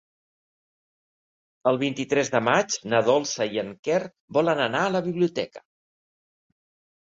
El vint-i-tres de maig na Dolça i en Quer volen anar a la biblioteca.